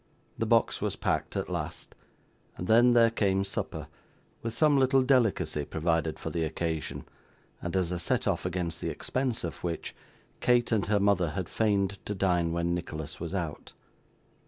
The box was packed at last, and then there came supper, with some little delicacy provided for the occasion, and as a set off against the expense of which, Kate and her mother had feigned to dine when Nicholas was out.